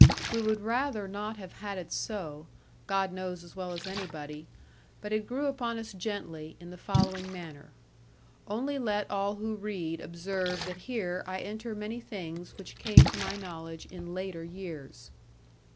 We would rather not have had it so, God knows as well as anybody; but it grew upon us gently, in the following manner. Only let all who read observe that here I enter many things which came to my knowledge in later years.